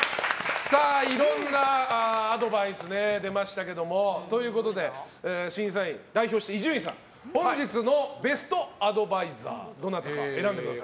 いろんなアドバイスが出ましたが審査員を代表して、伊集院さん本日のベストアドバイザーはどなたか、選んでください。